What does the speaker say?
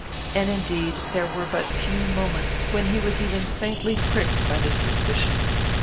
And indeed there were but few moments when he was even faintly pricked by this suspicion.